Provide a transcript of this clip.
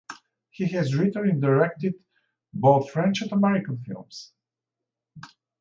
He has written and directed both French and American films.